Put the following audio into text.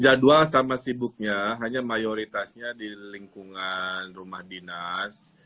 jadwal sama sibuknya hanya mayoritasnya di lingkungan rumah dinas